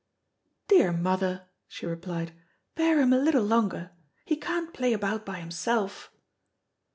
"Dear mother," she replied, "bear him a little longer. He can't play about by himself."